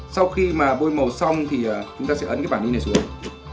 sau khi mà bôi màu xong thì chúng ta sẽ ấn cái bản đi này xuống